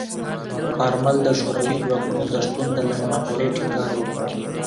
کارمل د شوروي ځواکونو د شتون د لنډمهالۍ ټینګار وکړ.